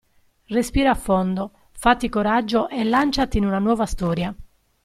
Respira a fondo, fatti coraggio e lanciati in una Nuova Storia.